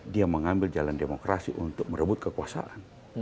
dia mengambil jalan demokrasi untuk merebut kekuasaan